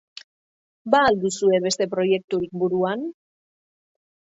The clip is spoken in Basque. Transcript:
Ba al duzue beste proiekturik buruan?